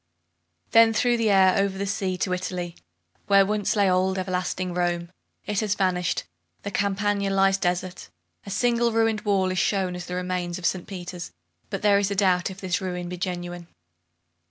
Then through the air, over the sea, to Italy, where once lay old, everlasting Rome. It has vanished! The Campagna lies desert. A single ruined wall is shown as the remains of St. Peter's, but there is a doubt if this ruin be genuine.